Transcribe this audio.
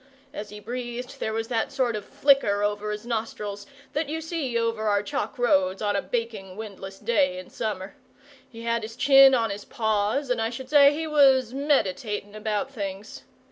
As he breathed, there was that sort of flicker over his nostrils that you see over our chalk roads on a baking windless day in summer. He had his chin on his paws, and I should say he was meditating about things.